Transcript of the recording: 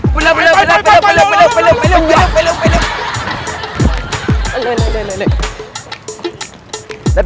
กุยเร็วไปเร็ว